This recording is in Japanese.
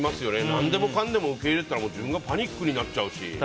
何でもかんでも受け入れてたら自分がパニックになっちゃうし。